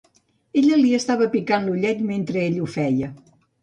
Ella li estava picant l'ullet mentre ell ho feia.